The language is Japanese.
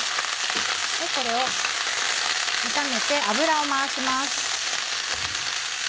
これを炒めて油を回します。